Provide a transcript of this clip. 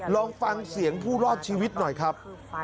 ลองฟังเสียงผู้รอดชีวิตหน่อยครับ